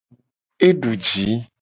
E du ji.